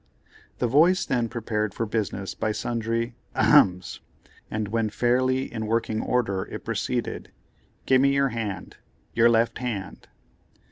The voice then prepared for business by sundry "Ahems!" and when fairly in working order it proceeded: "Give me your hand—your left hand."